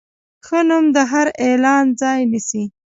ښه نوم د هر اعلان ځای نیسي.